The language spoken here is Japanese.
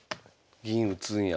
銀打つんや。